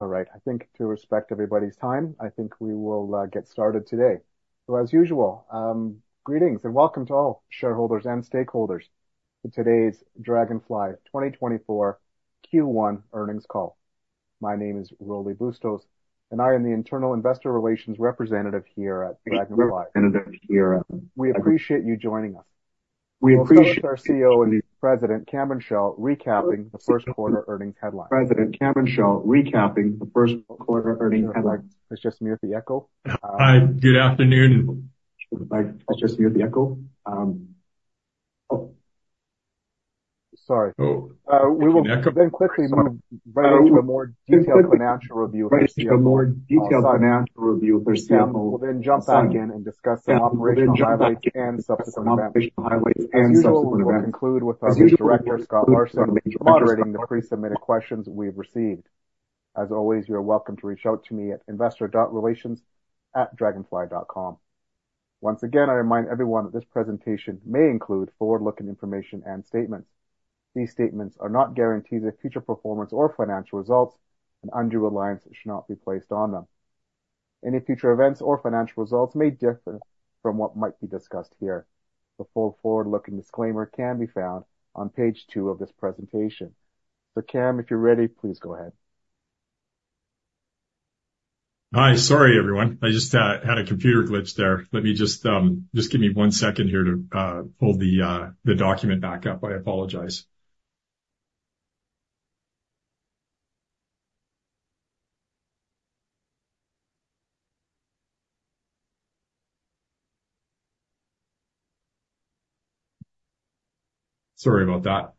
All right, I think to respect everybody's time, I think we will get started today. So as usual, greetings and welcome to all shareholders and stakeholders to today's Draganfly 2024 Q1 Earnings Call. My name is Rolly Bustos, and I am the Internal Investor Relations Representative here at Draganfly. We appreciate you joining us. We'll start with our CEO and President Cameron Chell recapping the first quarter earnings headlines. All right. Is this just me with the echo? Hi, good afternoon. Sorry. Oh. We will then quickly move right into a more detailed financial review for CFO. We'll then jump back in and discuss some operational highlights and subsequent events. We will conclude with our Lead Director, Scott Larson, moderating the pre-submitted questions we've received. As always, you're welcome to reach out to me at investor.relations@draganfly.com. Once again, I remind everyone that this presentation may include forward-looking information and statements. These statements are not guarantees of future performance or financial results, and undue reliance should not be placed on them. Any future events or financial results may differ from what might be discussed here. The full forward-looking disclaimer can be found on Page 2 of this presentation. So Cam, if you're ready, please go ahead. Hi, sorry, everyone. I just had a computer glitch there. Let me just give me one second here to pull the document back up. I apologize. Sorry about that.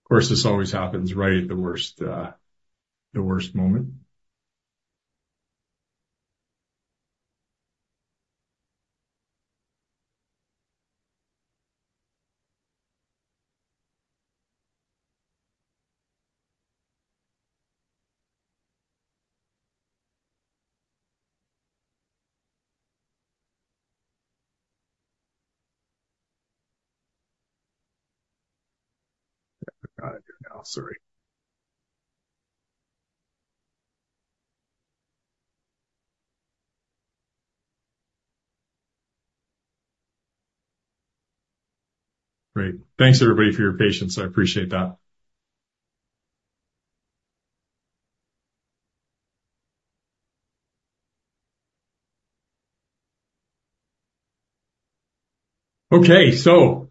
Of course, this always happens, right, at the worst moment. Yeah, I've got it here now. Sorry. Great. Thanks, everybody, for your patience. I appreciate that. Okay, so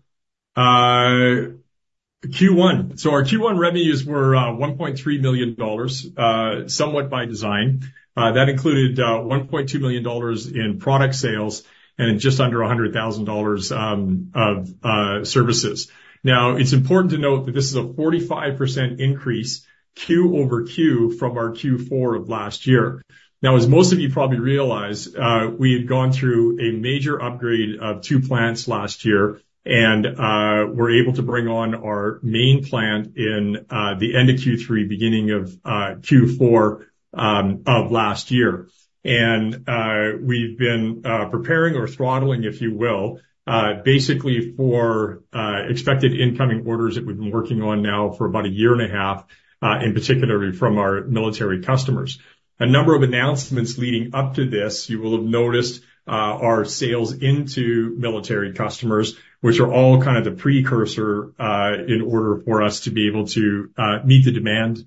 Q1. So our Q1 revenues were $1.3 million, somewhat by design. That included $1.2 million in product sales and just under $100,000 of services. Now, it's important to note that this is a 45% increase Q over Q from our Q4 of last year. Now, as most of you probably realize, we had gone through a major upgrade of two plants last year and were able to bring on our main plant in the end of Q3, beginning of Q4, of last year. We've been preparing or throttling, if you will, basically for expected incoming orders that we've been working on now for about a year and a half, in particular from our military customers. A number of announcements leading up to this, you will have noticed, our sales into military customers, which are all kind of the precursor in order for us to be able to meet the demand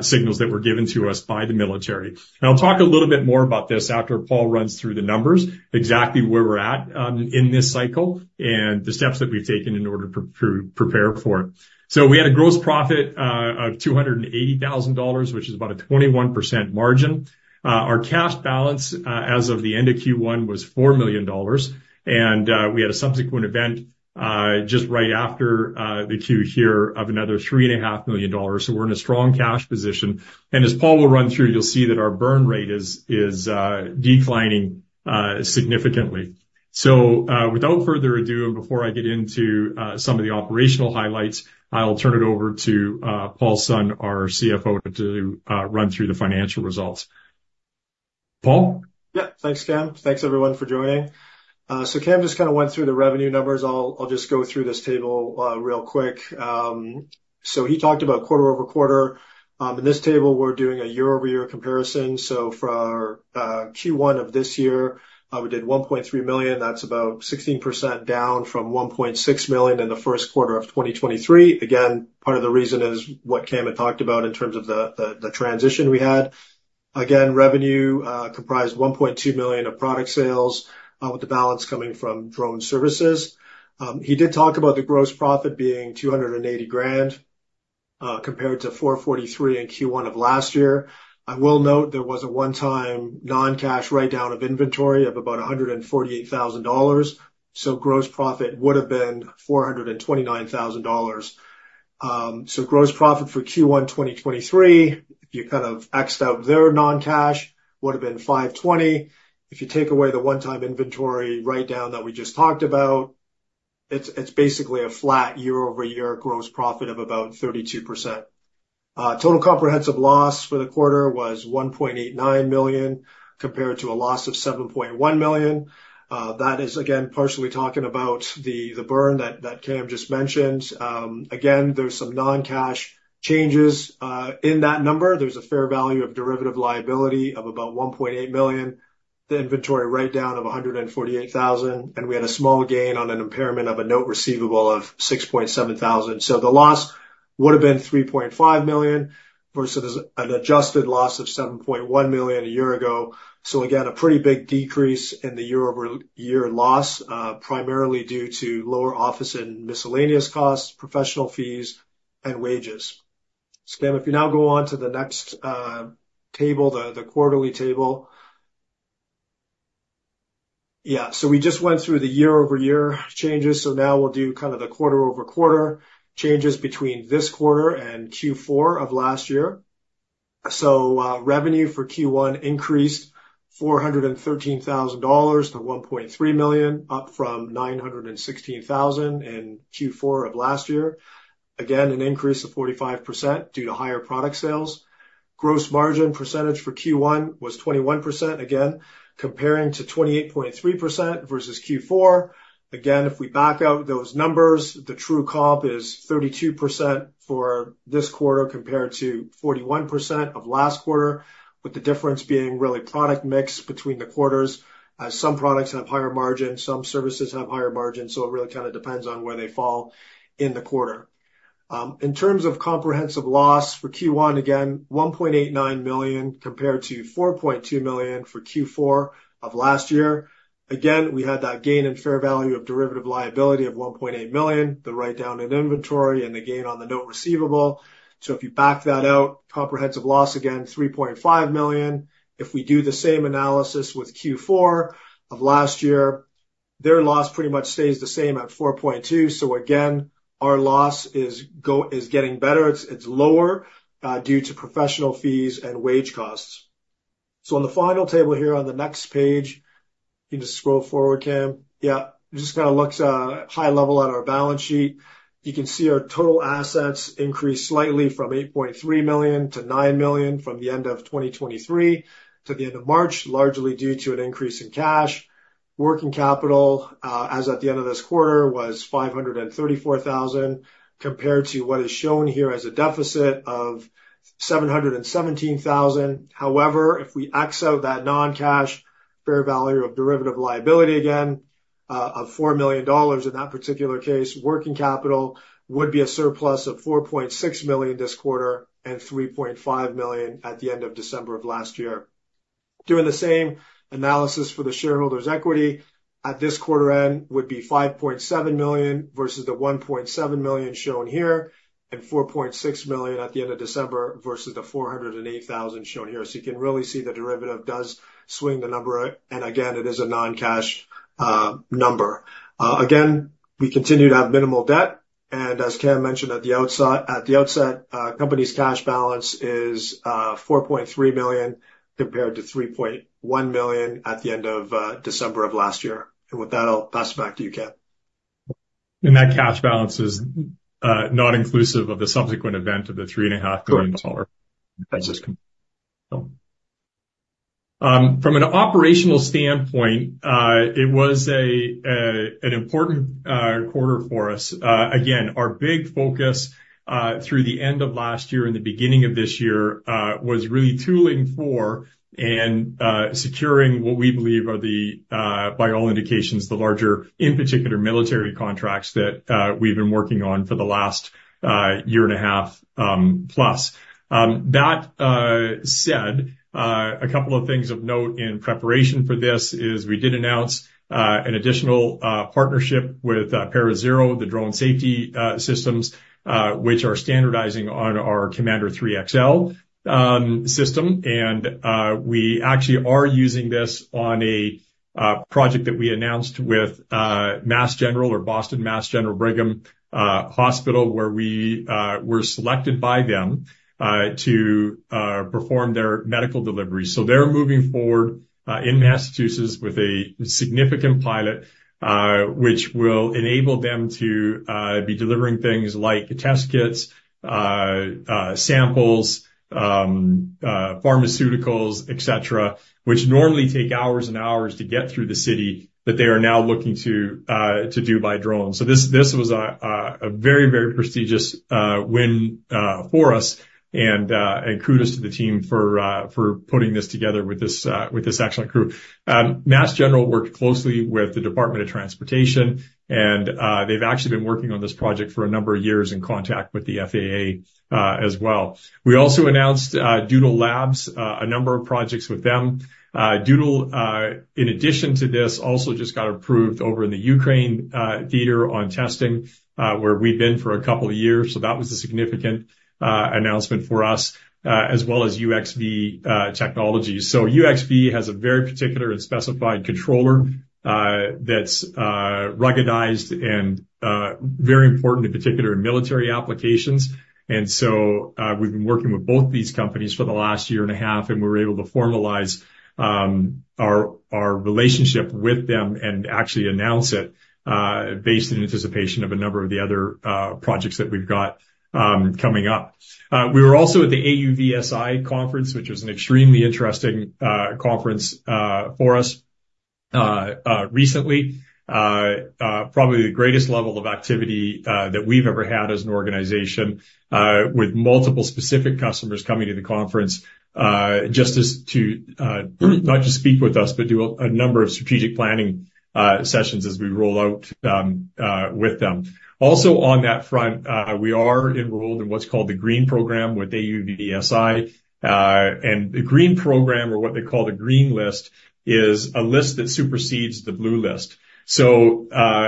signals that were given to us by the military. I'll talk a little bit more about this after Paul runs through the numbers, exactly where we're at in this cycle and the steps that we've taken in order to prepare for it. We had a gross profit of $280,000, which is about a 21% margin. Our cash balance, as of the end of Q1 was $4 million. We had a subsequent event, just right after the Q here of another $3.5 million. So we're in a strong cash position. As Paul will run through, you'll see that our burn rate is declining significantly. So, without further ado, before I get into some of the operational highlights, I'll turn it over to Paul Sun, our CFO, to run through the financial results. Paul? Yeah, thanks, Cam. Thanks, everyone, for joining. So Cam just kind of went through the revenue numbers. I'll, I'll just go through this table, real quick. So he talked about quarter-over-quarter. In this table, we're doing a year-over-year comparison. So for our Q1 of this year, we did $1.3 million. That's about 16% down from $1.6 million in the first quarter of 2023. Again, part of the reason is what Cam had talked about in terms of the, the, the transition we had. Again, revenue comprised $1.2 million of product sales, with the balance coming from drone services. He did talk about the gross profit being $280,000, compared to $443,000 in Q1 of last year. I will note there was a one-time non-cash write-down of inventory of about $148,000. So gross profit would have been $429,000. So, gross profit for Q1 2023, if you kind of X'd out their non-cash, would have been $520,000. If you take away the one-time inventory write-down that we just talked about, it's, it's basically a flat year-over-year gross profit of about 32%. Total comprehensive loss for the quarter was $1.89 million compared to a loss of $7.1 million. That is, again, partially talking about the, the burn that, that Cam just mentioned. Again, there's some non-cash changes, in that number. There's a fair value of derivative liability of about $1.8 million, the inventory write-down of $148,000, and we had a small gain on an impairment of a note receivable of $6,700. So the loss would have been $3.5 million versus an adjusted loss of $7.1 million a year ago. So again, a pretty big decrease in the year-over-year loss, primarily due to lower office and miscellaneous costs, professional fees, and wages. So Cam, if you now go on to the next table, the quarterly table. Yeah, so we just went through the year-over-year changes. So now we'll do kind of the quarter-over-quarter changes between this quarter and Q4 of last year. So, revenue for Q1 increased $413,000 to $1.3 million, up from $916,000 in Q4 of last year. Again, an increase of 45% due to higher product sales. Gross margin percentage for Q1 was 21%, again, comparing to 28.3% versus Q4. Again, if we back out those numbers, the true comp is 32% for this quarter compared to 41% of last quarter, with the difference being really product mix between the quarters, as some products have higher margins, some services have higher margins. So it really kind of depends on where they fall in the quarter. In terms of comprehensive loss for Q1, again, $1.89 million compared to $4.2 million for Q4 of last year. Again, we had that gain in fair value of derivative liability of $1.8 million, the write-down in inventory, and the gain on the note receivable. So if you back that out, comprehensive loss again, $3.5 million. If we do the same analysis with Q4 of last year, their loss pretty much stays the same at $4.2 million. So again, our loss is, is getting better. It's, it's lower, due to professional fees and wage costs. So on the final table here on the next page, you can just scroll forward, Cam. Yeah, it just kind of looks high-level at our balance sheet. You can see our total assets increased slightly from $8.3 million to $9 million from the end of 2023 to the end of March, largely due to an increase in cash. Working capital, as at the end of this quarter, was $534,000 compared to what is shown here as a deficit of $717,000. However, if we X out that non-cash fair value of derivative liability again, of $4 million in that particular case, working capital would be a surplus of $4.6 million this quarter and $3.5 million at the end of December of last year. Doing the same analysis for the shareholders' equity at this quarter end would be $5.7 million versus the $1.7 million shown here and $4.6 million at the end of December versus the $408,000 shown here. So you can really see the derivative does swing the number. And again, it is a non-cash, number. Again, we continue to have minimal debt. And as Cam mentioned at the outset, at the outset, company's cash balance is $4.3 million compared to $3.1 million at the end of December of last year. And with that, I'll pass it back to you, Cam. That cash balance is, not inclusive of the subsequent event of the $3.5 million. Correct. That's just coming from an operational standpoint. It was an important quarter for us. Again, our big focus through the end of last year and the beginning of this year was really tooling for and securing what we believe are the, by all indications, larger, in particular, military contracts that we've been working on for the last year and a half, plus. That said, a couple of things of note in preparation for this is we did announce an additional partnership with ParaZero, the drone safety systems, which are standardizing on our Commander 3XL system. And we actually are using this on a project that we announced with Mass General Brigham Hospital, where we were selected by them to perform their medical deliveries. So they're moving forward in Massachusetts with a significant pilot, which will enable them to be delivering things like test kits, samples, pharmaceuticals, etc., which normally take hours and hours to get through the city that they are now looking to do by drone. So this, this was a very, very prestigious win for us. And kudos to the team for putting this together with this excellent crew. Mass General worked closely with the Department of Transportation, and they've actually been working on this project for a number of years in contact with the FAA, as well. We also announced Doodle Labs, a number of projects with them. Doodle, in addition to this, also just got approved over in the Ukraine theater on testing, where we've been for a couple of years. So that was a significant announcement for us, as well as UXV Technologies. So UXV has a very particular and specified controller that's ruggedized and very important, in particular, in military applications. And so we've been working with both these companies for the last year and a half, and we were able to formalize our relationship with them and actually announce it, based in anticipation of a number of the other projects that we've got coming up. We were also at the AUVSI Conference, which was an extremely interesting conference for us recently, probably the greatest level of activity that we've ever had as an organization, with multiple specific customers coming to the conference just to not just speak with us, but do a number of strategic planning sessions as we roll out with them. Also on that front, we are enrolled in what's called the Green Program with AUVSI. And the Green Program, or what they call the Green List, is a list that supersedes the Blue List. So,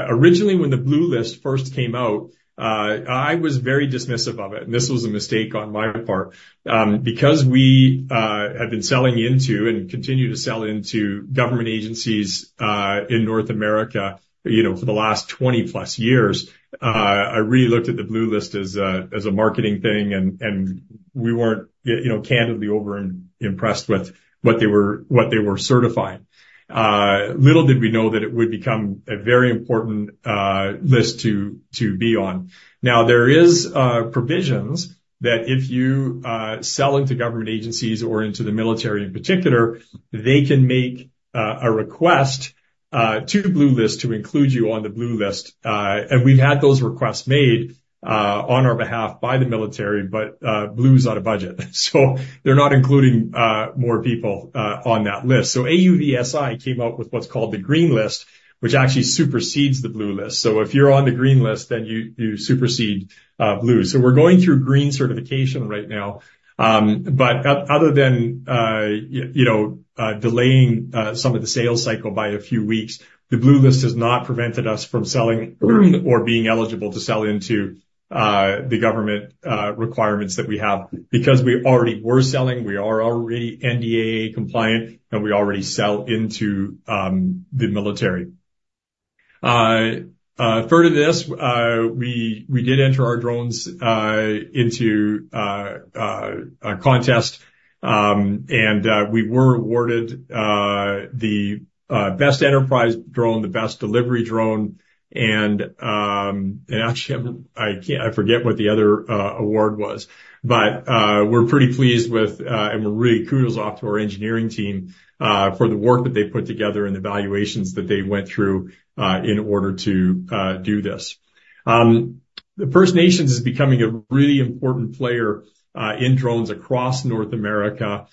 originally, when the Blue List first came out, I was very dismissive of it. And this was a mistake on my part, because we have been selling into and continue to sell into government agencies in North America, you know, for the last 20+ years. I really looked at the Blue List as, as a marketing thing, and, and we weren't, you know, candidly over-impressed with what they were what they were certifying. Little did we know that it would become a very important list to be on. Now, there is provisions that if you sell into government agencies or into the military in particular, they can make a request to Blue List to include you on the Blue List. And we've had those requests made on our behalf by the military, but Blue is out of budget. So they're not including more people on that list. So AUVSI came out with what's called the Green List, which actually supersedes the Blue List. So if you're on the Green List, then you supersede Blue. So we're going through green certification right now. But other than you know delaying some of the sales cycle by a few weeks, the Blue List has not prevented us from selling or being eligible to sell into the government requirements that we have because we already were selling. We are already NDAA compliant, and we already sell into the military. Further to this, we did enter our drones into a contest. And we were awarded the best enterprise drone, the best delivery drone, and actually, I can't, I forget what the other award was. But we're pretty pleased with it, and we're really kudos to our engineering team for the work that they put together and the valuations that they went through in order to do this. The First Nations is becoming a really important player in drones across North America,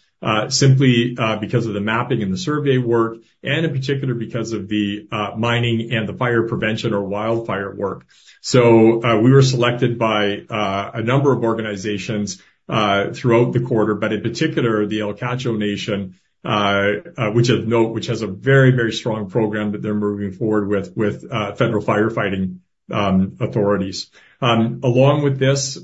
simply because of the mapping and the survey work, and in particular because of the mining and the fire prevention or wildfire work. So we were selected by a number of organizations throughout the quarter, but in particular, the Ulkatcho First Nation, which, of note, has a very, very strong program that they're moving forward with federal firefighting authorities. Along with this,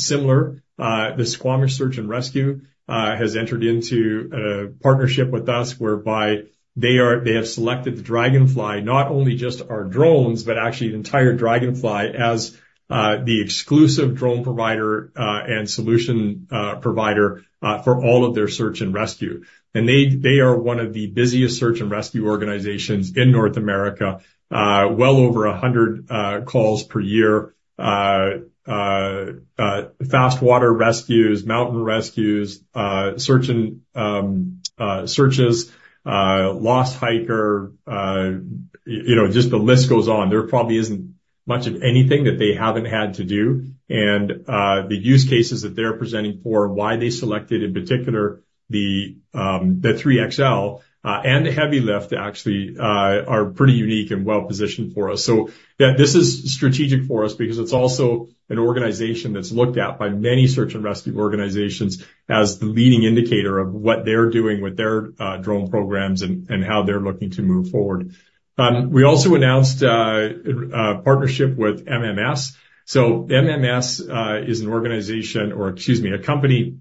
similar, the Squamish Search and Rescue has entered into a partnership with us whereby they have selected the Draganfly, not only just our drones, but actually the entire Draganfly as the exclusive drone provider and solution provider for all of their search and rescue. And they are one of the busiest search and rescue organizations in North America, well over 100 calls per year, fast water rescues, mountain rescues, search and searches, lost hiker, you know, just the list goes on. There probably isn't much of anything that they haven't had to do. And the use cases that they're presenting for why they selected in particular the 3XL and the Heavy Lift actually are pretty unique and well positioned for us. So that this is strategic for us because it's also an organization that's looked at by many search and rescue organizations as the leading indicator of what they're doing with their drone programs and how they're looking to move forward. We also announced a partnership with MMS. So MMS is an organization or, excuse me, a company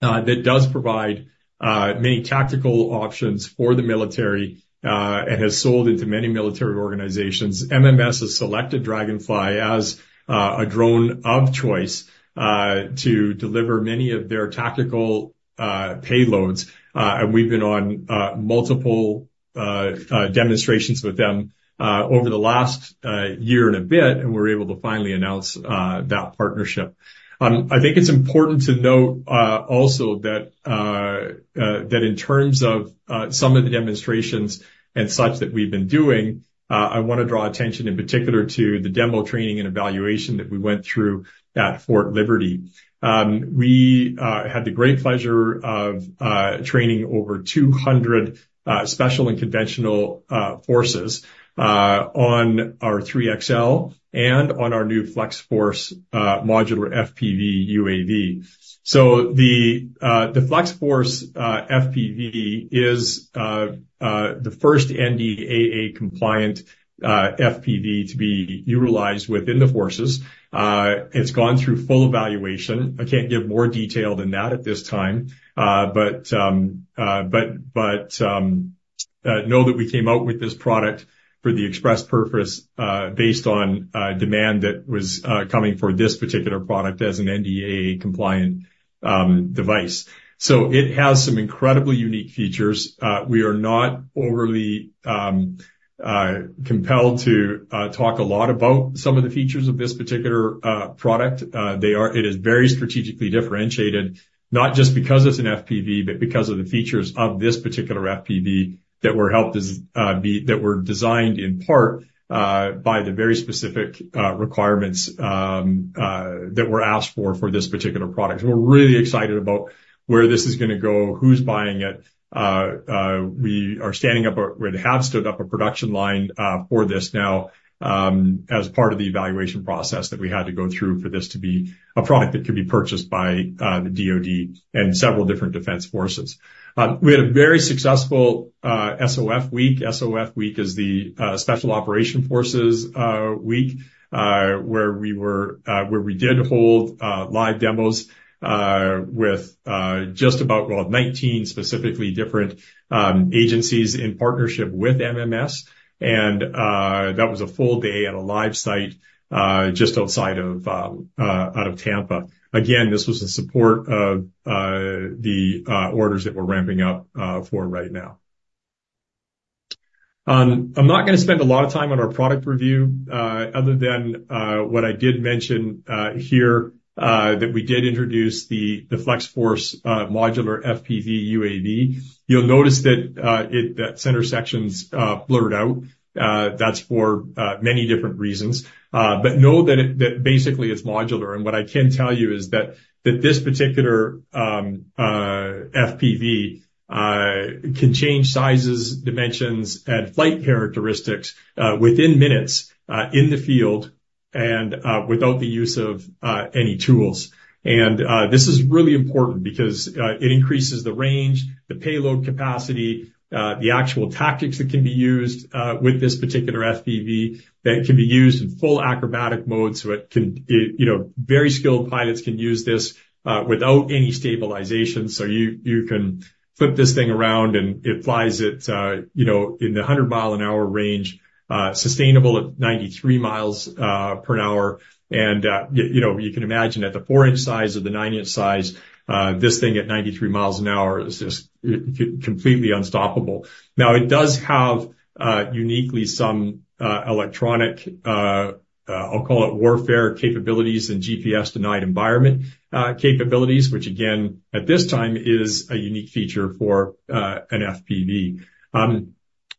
that does provide many tactical options for the military, and has sold into many military organizations. MMS has selected Draganfly as a drone of choice to deliver many of their tactical payloads. And we've been on multiple demonstrations with them over the last year and a bit, and we're able to finally announce that partnership. I think it's important to note also that in terms of some of the demonstrations and such that we've been doing, I want to draw attention in particular to the demo training and evaluation that we went through at Fort Liberty. We had the great pleasure of training over 200 special and conventional forces on our 3XL and on our new FlexForce Modular FPV UAV. So the FlexForce FPV is the first NDAA-compliant FPV to be utilized within the forces. It's gone through full evaluation. I can't give more detail than that at this time. But know that we came out with this product for the express purpose, based on demand that was coming for this particular product as an NDAA-compliant device. So it has some incredibly unique features. We are not overly compelled to talk a lot about some of the features of this particular product. It is very strategically differentiated, not just because it's an FPV, but because of the features of this particular FPV that were designed in part by the very specific requirements that were asked for for this particular product. So we're really excited about where this is going to go, who's buying it. We have stood up a production line for this now, as part of the evaluation process that we had to go through for this to be a product that could be purchased by the DoD and several different defense forces. We had a very successful SOF Week. SOF Week is the Special Operations Forces week, where we did hold live demos with just about well 19 specifically different agencies in partnership with MMS. That was a full day at a live site just outside of out of Tampa. Again, this was in support of the orders that we're ramping up for right now. I'm not going to spend a lot of time on our product review, other than what I did mention here, that we did introduce the FlexForce Modular FPV UAV. You'll notice that the center sections blurred out. That's for many different reasons, but know that basically it's modular. And what I can tell you is that this particular FPV can change sizes, dimensions, and flight characteristics within minutes in the field and without the use of any tools. And this is really important because it increases the range, the payload capacity, the actual tactics that can be used with this particular FPV that can be used in full acrobatic mode. So it can, you know, very skilled pilots can use this without any stabilization. So you can flip this thing around and it flies at, you know, in the 100 mph range, sustainable at 93 mph. And you know, you can imagine at the 4-in size or the 9-in size, this thing at 93 mph is just completely unstoppable. Now it does have uniquely some electronic, I'll call it, warfare capabilities and GPS-denied environment capabilities, which again at this time is a unique feature for an FPV.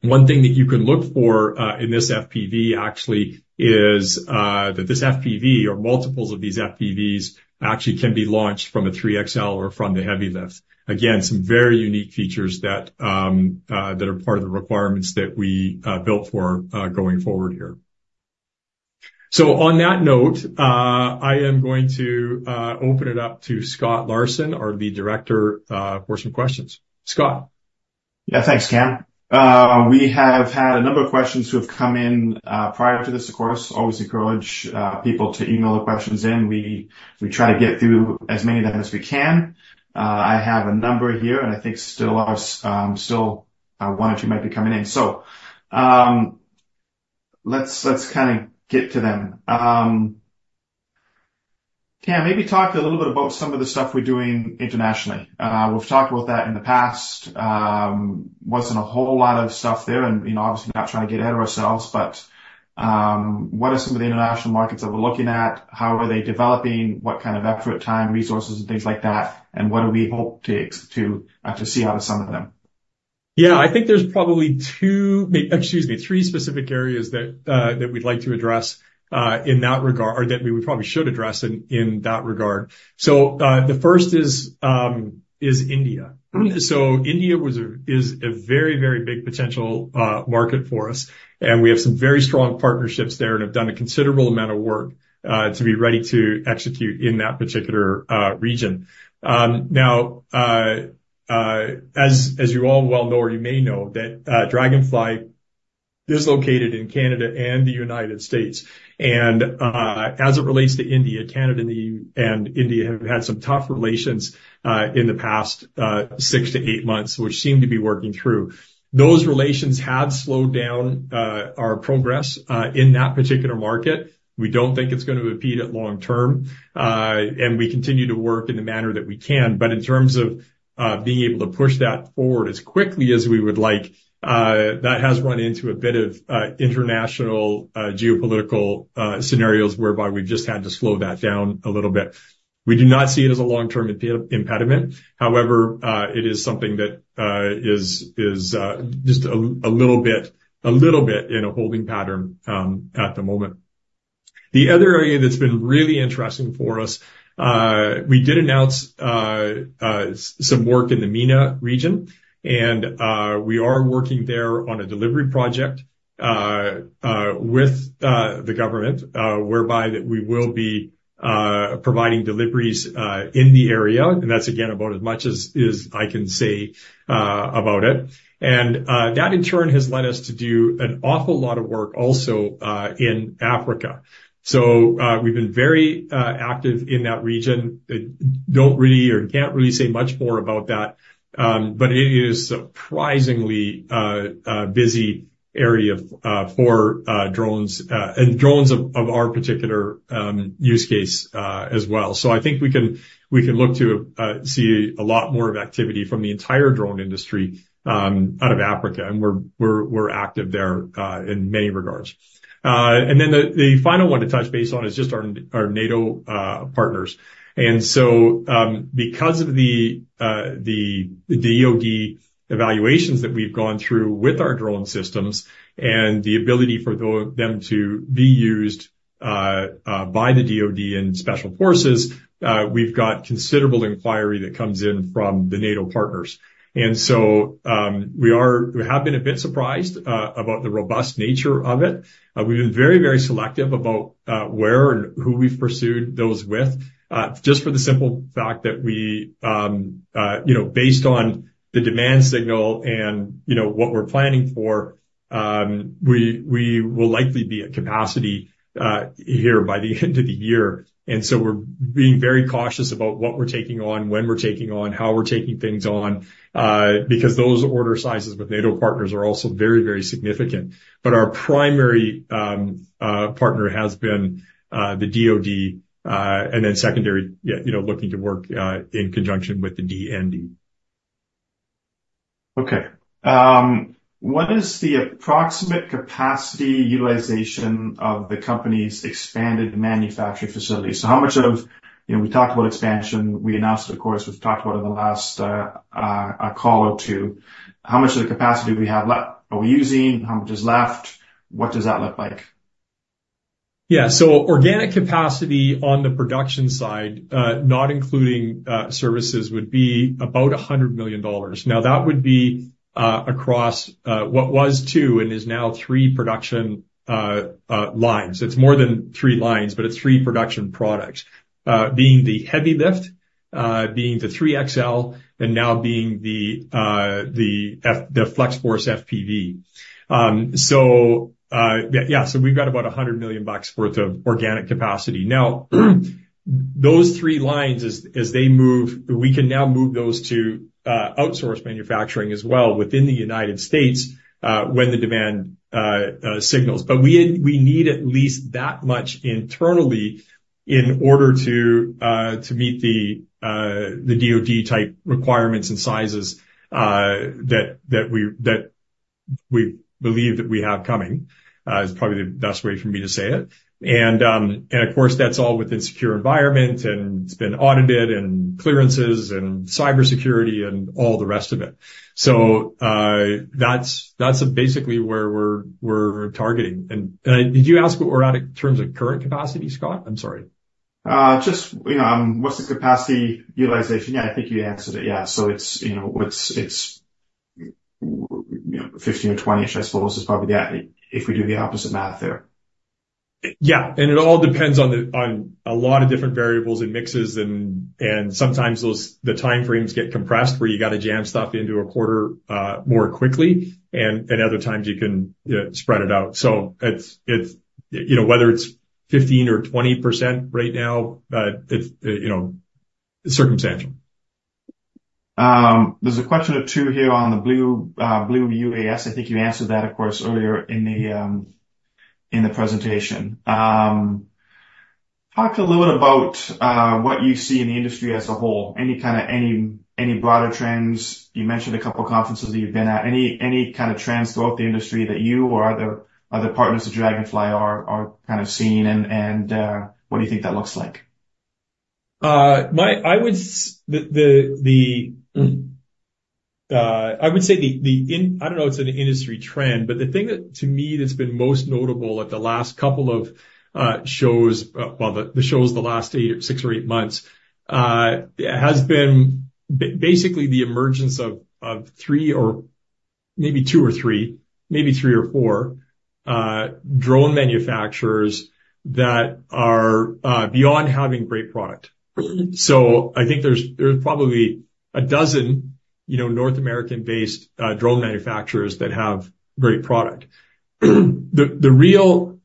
One thing that you can look for in this FPV actually is that this FPV or multiples of these FPVs actually can be launched from a 3XL or from the Heavy Lift. Again, some very unique features that are part of the requirements that we built for going forward here. So on that note, I am going to open it up to Scott Larson, our Lead Director, for some questions. Scott. Yeah, thanks, Cam. We have had a number of questions who have come in prior to this, of course. Always encourage people to email the questions in. We try to get through as many of them as we can. I have a number here, and I think still ours still one or two might be coming in. So let's kind of get to them. Cam, maybe talk a little bit about some of the stuff we're doing internationally. We've talked about that in the past. Wasn't a whole lot of stuff there, and, you know, obviously not trying to get ahead of ourselves, but, what are some of the international markets that we're looking at? How are they developing? What kind of effort, time, resources, and things like that? And what do we hope to see out of some of them? Yeah, I think there's probably two, excuse me, three specific areas that we'd like to address, in that regard or that we probably should address in that regard. So, the first is India. So India is a very, very big potential market for us. We have some very strong partnerships there and have done a considerable amount of work to be ready to execute in that particular region. Now, as you all well know or you may know that, Draganfly is located in Canada and the United States. And, as it relates to India, Canada and India have had some tough relations in the past six to eight months, which seem to be working through. Those relations have slowed down our progress in that particular market. We don't think it's going to impede it long term. And we continue to work in the manner that we can. But in terms of being able to push that forward as quickly as we would like, that has run into a bit of international geopolitical scenarios whereby we've just had to slow that down a little bit. We do not see it as a long-term impediment. However, it is something that is just a little bit in a holding pattern at the moment. The other area that's been really interesting for us, we did announce some work in the MENA region. And we are working there on a delivery project with the government, whereby that we will be providing deliveries in the area. And that's, again, about as much as I can say about it. And that in turn has led us to do an awful lot of work also in Africa. So we've been very active in that region. I don't really or can't really say much more about that. But it is a surprisingly busy area for drones, and drones of our particular use case, as well. So I think we can look to see a lot more activity from the entire drone industry out of Africa. And we're active there in many regards. And then the final one to touch base on is just our NATO partners. And so, because of the DoD evaluations that we've gone through with our drone systems and the ability for them to be used by the DoD and special forces, we've got considerable inquiry that comes in from the NATO partners. And so, we have been a bit surprised about the robust nature of it. We've been very, very selective about where and who we've pursued those with, just for the simple fact that we, you know, based on the demand signal and, you know, what we're planning for, we will likely be at capacity here by the end of the year. And so we're being very cautious about what we're taking on, when we're taking on, how we're taking things on, because those order sizes with NATO partners are also very, very significant. But our primary partner has been the DoD, and then secondary, you know, looking to work in conjunction with the DND. Okay. What is the approximate capacity utilization of the company's expanded manufacturing facilities? So how much of, you know, we talked about expansion. We announced it, of course. We've talked about it in the last a call or two. How much of the capacity we have left are we using? How much is left? What does that look like? Yeah. So organic capacity on the production side, not including services would be about $100 million. Now, that would be across what was two and is now three production lines. It's more than three lines, but it's three production products, being the Heavy Lift, being the 3XL, and now being the FlexForce FPV. So, yeah, so we've got about $100 million worth of organic capacity. Now, those three lines, as they move, we can now move those to outsource manufacturing as well within the United States, when the demand signals. But we need at least that much internally in order to meet the DoD type requirements and sizes that we believe that we have coming, is probably the best way for me to say it. And of course, that's all within secure environment, and it's been audited and clearances and cybersecurity and all the rest of it. So that's basically where we're targeting. Did you ask what we're at in terms of current capacity, Scott? I'm sorry. Just, you know, what's the capacity utilization? Yeah, I think you answered it. Yeah. So it's, you know, it's 15% or 20%-ish, I suppose, is probably the if we do the opposite math there. Yeah. And it all depends on a lot of different variables and mixes. And sometimes the timeframes get compressed where you got to jam stuff into a quarter more quickly. And other times you can, you know, spread it out. So it's, you know, whether it's 15% or 20% right now, it's, you know, circumstantial. There's a question or two here on the Blue UAS. I think you answered that, of course, earlier in the presentation. Talk a little bit about what you see in the industry as a whole. Any kind of broader trends? You mentioned a couple of conferences that you've been at. Any kind of trends throughout the industry that you or other partners of Draganfly are kind of seeing and what do you think that looks like? I would say, I don't know if it's an industry trend, but the thing that to me that's been most notable at the last couple of shows, well, the shows in the last eight or six or eight months, has been basically the emergence of three or maybe two or three, maybe three or four, drone manufacturers that are beyond having great product. So I think there's probably 12, you know, North American-based drone manufacturers that have great product. The real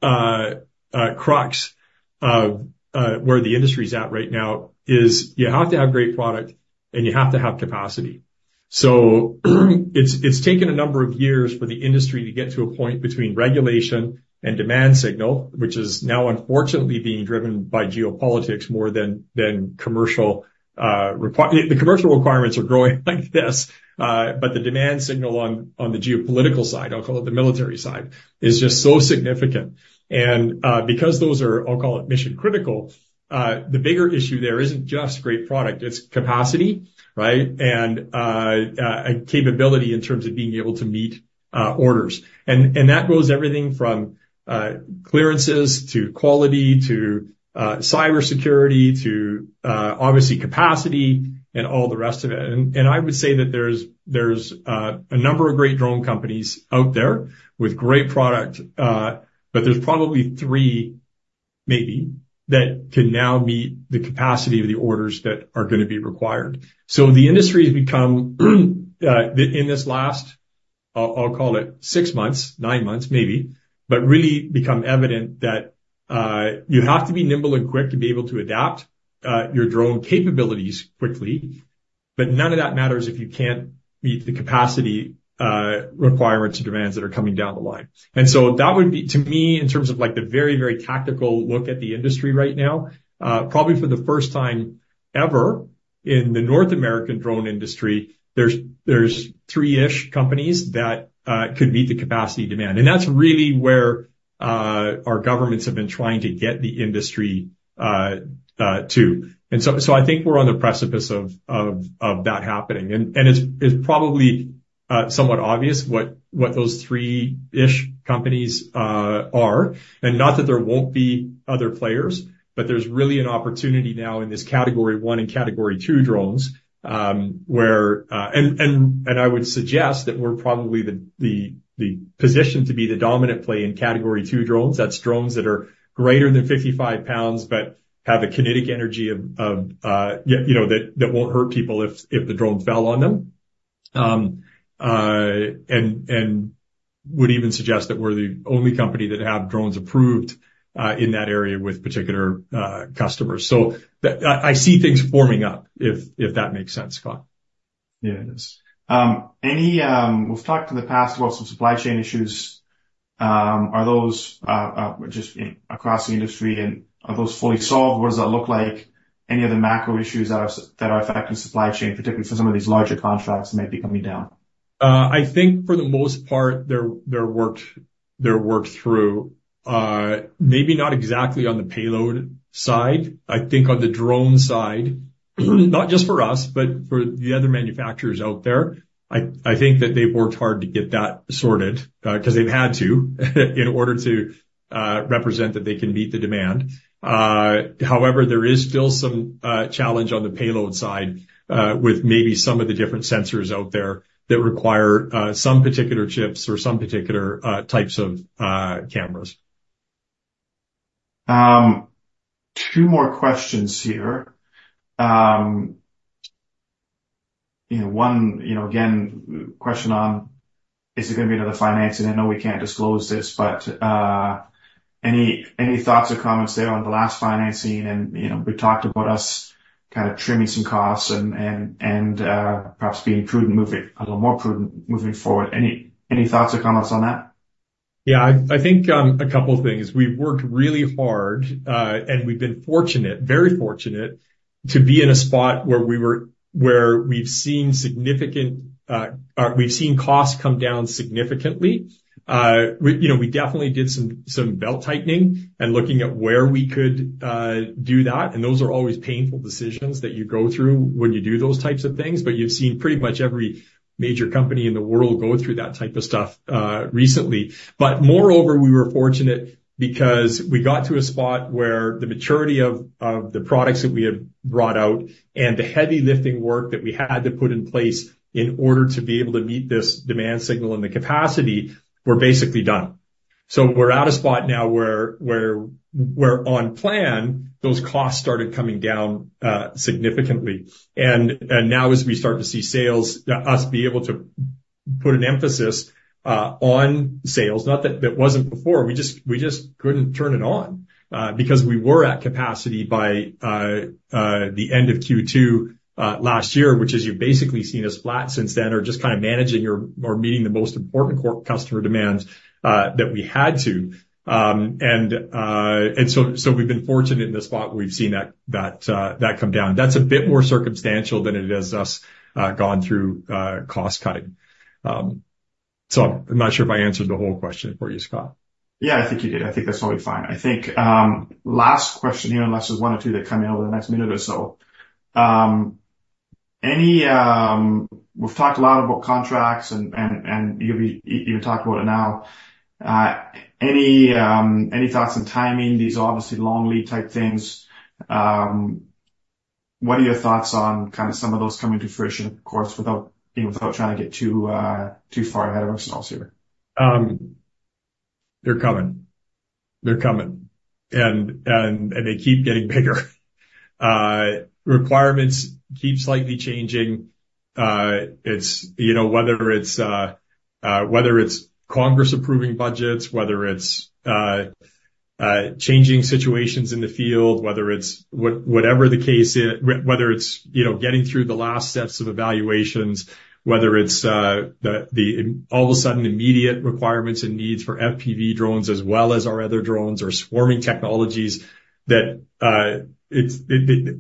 crux of where the industry's at right now is you have to have great product, and you have to have capacity. So it's taken a number of years for the industry to get to a point between regulation and demand signal, which is now unfortunately being driven by geopolitics more than commercial requirements. The commercial requirements are growing like this. But the demand signal on the geopolitical side, I'll call it the military side, is just so significant. Because those are, I'll call it mission critical, the bigger issue there isn't just great product. It's capacity, right? And capability in terms of being able to meet orders. And that goes everything from clearances to quality to cybersecurity to, obviously, capacity and all the rest of it. And I would say that there's a number of great drone companies out there with great product, but there's probably three, maybe, that can now meet the capacity of the orders that are going to be required. So the industry has become, in this last, I'll call it six months, nine months, maybe, but really become evident that you have to be nimble and quick to be able to adapt your drone capabilities quickly. But none of that matters if you can't meet the capacity requirements and demands that are coming down the line. And so that would be, to me, in terms of, like, the very, very tactical look at the industry right now, probably for the first time ever in the North American drone industry, there's three-ish companies that could meet the capacity demand. And that's really where our governments have been trying to get the industry to. And so I think we're on the precipice of that happening. And it's probably somewhat obvious what those three-ish companies are. And not that there won't be other players, but there's really an opportunity now in this Category 1 and Category 2 drones, where I would suggest that we're probably the position to be the dominant play in Category 2 drones. That's drones that are greater than 55 lbs, but have a kinetic energy of you know that won't hurt people if the drone fell on them. And would even suggest that we're the only company that have drones approved in that area with particular customers. So that I see things forming up, if that makes sense, Scott. Yeah, it is. Any, we've talked in the past about some supply chain issues. Are those just across the industry, and are those fully solved? What does that look like? Any other macro issues that are affecting supply chain, particularly for some of these larger contracts that might be coming down? I think for the most part, they're worked through. Maybe not exactly on the payload side. I think on the drone side, not just for us, but for the other manufacturers out there, I think that they've worked hard to get that sorted, because they've had to in order to represent that they can meet the demand. However, there is still some challenge on the payload side, with maybe some of the different sensors out there that require some particular chips or some particular types of cameras. Two more questions here. You know, one, you know, again, question on, is it going to be another financing? I know we can't disclose this, but any thoughts or comments there on the last financing? You know, we talked about us kind of trimming some costs and perhaps being prudent, moving a little more prudent moving forward. Any thoughts or comments on that? Yeah, I think a couple of things. We've worked really hard, and we've been fortunate, very fortunate, to be in a spot where we've seen costs come down significantly. You know, we definitely did some belt tightening and looking at where we could do that. Those are always painful decisions that you go through when you do those types of things. But you've seen pretty much every major company in the world go through that type of stuff recently. But moreover, we were fortunate because we got to a spot where the maturity of the products that we had brought out and the heavy lifting work that we had to put in place in order to be able to meet this demand signal and the capacity were basically done. So we're at a spot now where on plan, those costs started coming down, significantly. And now as we start to see sales, us being able to put an emphasis on sales, not that that wasn't before, we just couldn't turn it on, because we were at capacity by the end of Q2 last year, which you've basically seen us flat since then or just kind of managing or meeting the most important customer demands that we had to. So we've been fortunate in the spot where we've seen that come down. That's a bit more circumstantial than it is us gone through cost cutting. So I'm not sure if I answered the whole question for you, Scott. Yeah, I think you did. I think that's totally fine. I think last question here, unless there's one or two that come in over the next minute or so. We've talked a lot about contracts and you've even talked about it now. Any thoughts on timing, these obviously long lead type things? What are your thoughts on kind of some of those coming to fruition, of course, without you know, without trying to get too far ahead of ourselves here? They're coming. They're coming. And they keep getting bigger. Requirements keep slightly changing. It's, you know, whether it's Congress approving budgets, whether it's changing situations in the field, whether it's whatever the case is, whether it's, you know, getting through the last steps of evaluations, whether it's the all of a sudden immediate requirements and needs for FPV drones as well as our other drones or swarming technologies that it's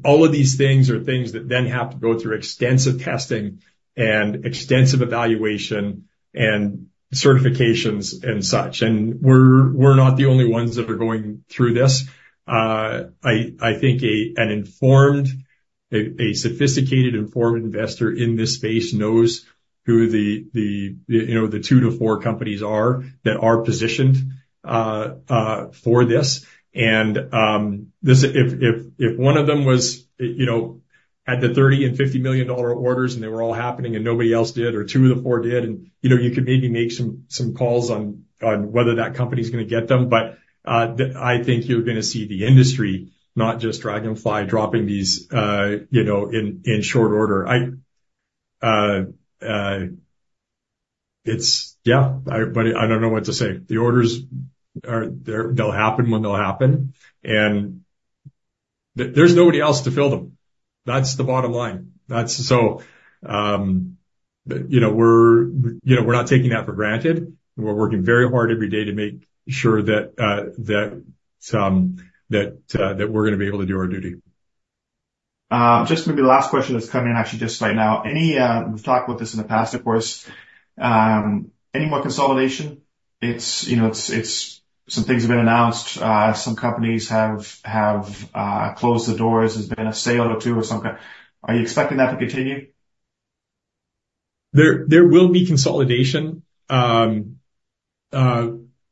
all of these things are things that then have to go through extensive testing and extensive evaluation and certifications and such. And we're not the only ones that are going through this. I think an informed, a sophisticated, informed investor in this space knows who the, you know, the two to four companies are that are positioned for this. And this, if one of them was, you know, had the $30 million and $50 million orders and they were all happening and nobody else did or two of the four did, and you know, you could maybe make some calls on whether that company's going to get them. But I think you're going to see the industry, not just Draganfly, dropping these, you know, in short order. It's yeah, but I don't know what to say. The orders, they'll happen when they'll happen. And there's nobody else to fill them. That's the bottom line. So you know, we're not taking that for granted. We're working very hard every day to make sure that we're going to be able to do our duty. Just maybe the last question that's come in, actually just right now. And, we've talked about this in the past, of course. Any more consolidation? It's, you know, some things have been announced. Some companies have closed the doors. There's been a sale or two or some kind. Are you expecting that to continue? There will be consolidation. There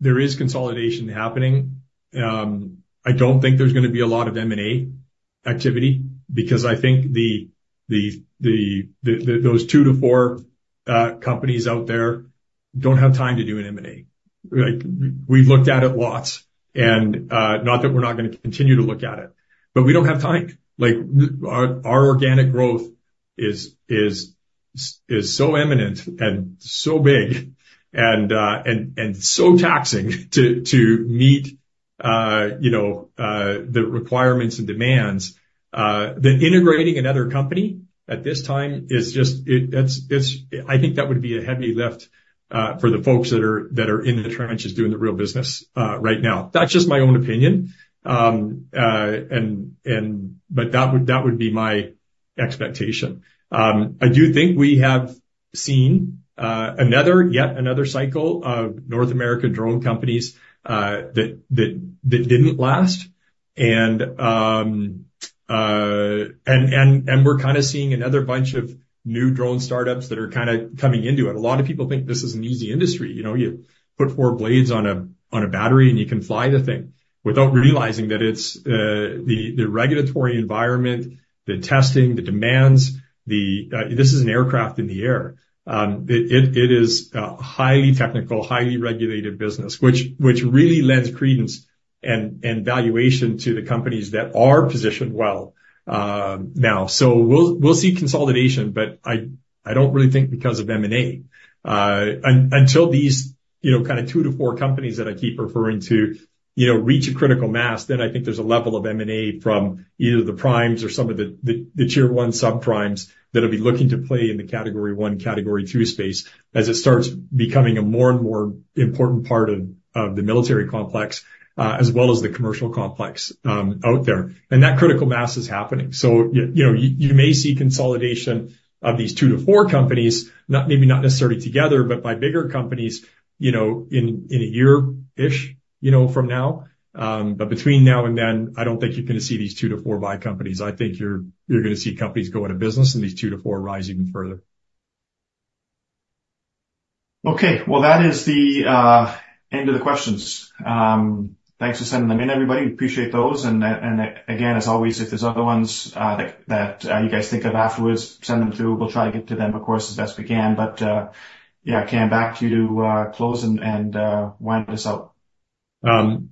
is consolidation happening. I don't think there's going to be a lot of M&A activity because I think the those two to four companies out there don't have time to do an M&A. Like, we've looked at it lots, and not that we're not going to continue to look at it. But we don't have time. Like, our organic growth is so imminent and so big and so taxing to meet, you know, the requirements and demands, that integrating another company at this time is just it. It's, I think, that would be a heavy lift for the folks that are in the trenches doing the real business right now. That's just my own opinion. But that would be my expectation. I do think we have seen yet another cycle of North American drone companies that didn't last. And we're kind of seeing another bunch of new drone startups that are kind of coming into it. A lot of people think this is an easy industry. You know, you put four blades on a battery and you can fly the thing without realizing that it's the regulatory environment, the testing, the demands, this is an aircraft in the air. It is a highly technical, highly regulated business, which really lends credence and valuation to the companies that are positioned well, now. So we'll see consolidation, but I don't really think because of M&A. Until these, you know, kind of two to four companies that I keep referring to, you know, reach a critical mass, then I think there's a level of M&A from either the primes or some of the, the tier one subprimes that'll be looking to play in the Category 1, Category 2 space as it starts becoming a more and more important part of, of the military complex, as well as the commercial complex, out there. And that critical mass is happening. So, you know, you may see consolidation of these two to four companies, not maybe not necessarily together, but by bigger companies, you know, in a year-ish, you know, from now. But between now and then, I don't think you're going to see these two to four buy companies. I think you're going to see companies go into business and these two to four rise even further. Okay. Well, that is the end of the questions. Thanks for sending them in, everybody. We appreciate those. And again, as always, if there's other ones that you guys think of afterwards, send them through. We'll try to get to them, of course, as best we can. But yeah, Cam, back to you to close and wind this out.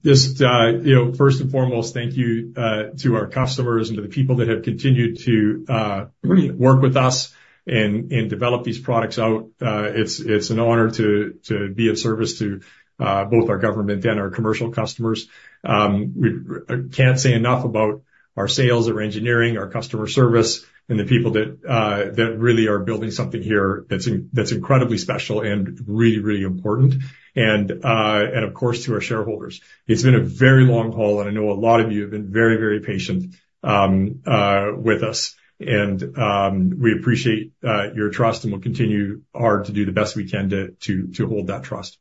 Just, you know, first and foremost, thank you to our customers and to the people that have continued to work with us and develop these products out. It's an honor to be of service to both our government and our commercial customers. We can't say enough about our sales, our engineering, our customer service, and the people that really are building something here that's incredibly special and really, really important. And of course, to our shareholders. It's been a very long haul, and I know a lot of you have been very, very patient with us. And we appreciate your trust and we'll continue hard to do the best we can to hold that trust.